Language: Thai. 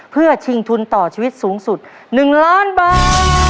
เพื่อชิงทุนต่อชีวิตสูงสุด๑ล้านบาท